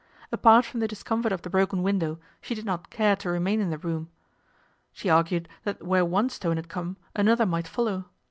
Apart from the discomfort of the broken window, she did not care to remain in the room. She argued that where one stone had come another might follow.